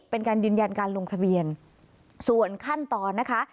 เป็นการยืนยันการลงทะเบียนส่วนขั้นตอนนะคะ